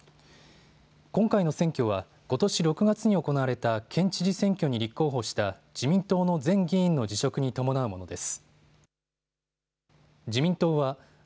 今回の選挙は、ことし６月に行われた県知事選挙に立候補した自民党の前議員の辞職に伴うものです。